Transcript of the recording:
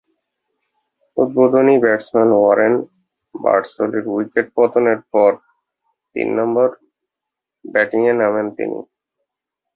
উদ্বোধনী batsman Warren বার্ডসলি’র wicket পতনের পর তিন নম্বরে ব্যাটিংয়ে নামেন তিনি।